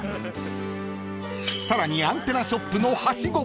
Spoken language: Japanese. ［さらにアンテナショップのはしご］